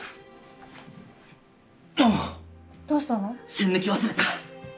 栓抜き忘れた。